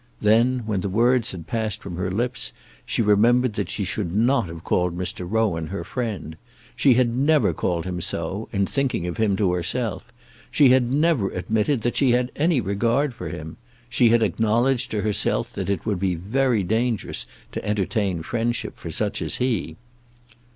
Then, when the words had passed from her lips, she remembered that she should not have called Mr. Rowan her friend. She had never called him so, in thinking of him, to herself. She had never admitted that she had any regard for him. She had acknowledged to herself that it would be very dangerous to entertain friendship for such as he.